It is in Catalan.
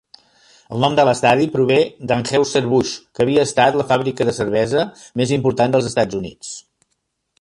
El nom de l'estadi prové d'Anheuser-Busch, que havia estat la fàbrica de cervesa més important dels Estats Units.